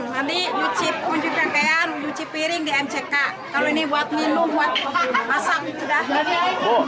mandi cuci piring di mck kalau ini buat minum buat masak